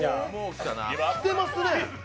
きてますね。